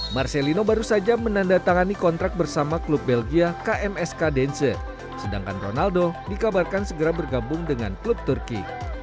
marcelino baru saja menandatangani kontrak bersama klub belgia kmsk dense sedangkan ronaldo dikabarkan segera bergabung dengan klub turki